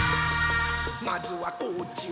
「まずはこっちを」